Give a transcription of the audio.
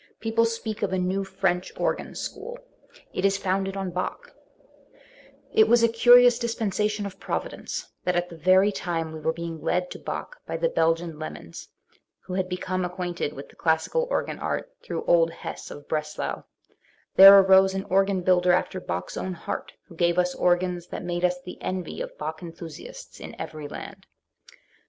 People speak of a new French organ school: it is founded on Bach, It was a curious dispensation of Providence that at the very time we were being led to Bach by the Belgian Lernmens who had become acquainted with the classical organ art through old Hesse, of Breslau there arose an organ builder after Bach's own heart, who gave us organs that made us the envy of Bach enthusiasts in every land.